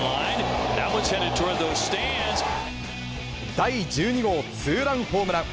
第１２号ツーランホームラン。